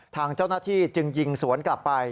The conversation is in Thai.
ทางเจ้าหน้าที่จึงยิงสวนกลับไป